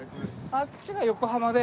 あっちが横浜で。